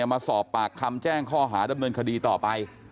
มาสอบปากคำแจ้งข้อหาดำเนินคดีต่อไป